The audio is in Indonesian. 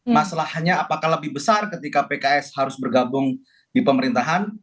masalahnya apakah lebih besar ketika pks harus bergabung di pemerintahan